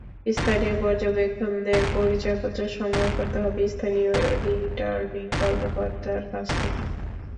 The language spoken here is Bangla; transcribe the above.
স্থানীয় পর্যবেক্ষকদের পরিচয়পত্র সংগ্রহ করতে হবে স্থানীয় রিটার্নিং কর্মকর্তার কাছ থেকে।